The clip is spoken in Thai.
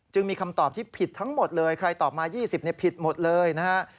มีคำตอบที่ผิดทั้งหมดเลยใครตอบมา๒๐ผิดหมดเลยนะฮะ